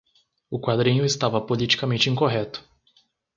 O quadrinho estava politicamente incorreto.